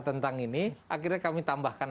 tentang ini akhirnya kami tambahkan